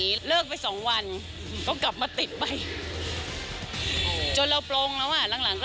มาเล่นเค้าก็ยังแบบไม่ได้ไปไหนอะไรอย่างงี้